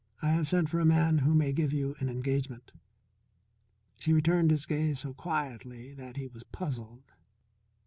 "I have sent for a man who may give you an engagement." She returned his gaze so quietly that he was puzzled.